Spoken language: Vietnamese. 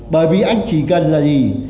bởi vì anh chỉ cần là gì